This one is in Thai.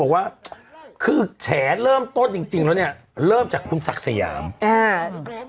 ว่าคือแฉเริ่มต้นจริงจริงแล้วเนี้ยเริ่มจากคุณศักดิ์สยามอ่า